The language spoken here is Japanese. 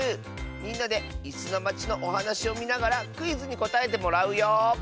みんなで「いすのまち」のおはなしをみながらクイズにこたえてもらうよ。